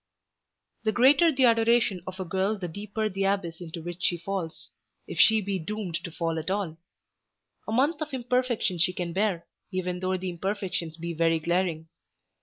The greater the adoration of the girl the deeper the abyss into which she falls, if she be doomed to fall at all. A month of imperfection she can bear, even though the imperfections be very glaring.